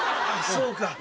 そうか。